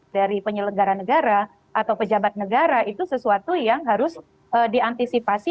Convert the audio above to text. dari penyelegara negara atau pj itu sesuatu yang harus diantisipasi